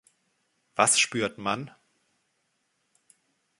Was spürt man?